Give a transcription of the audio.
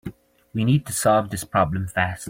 We need to solve this problem fast.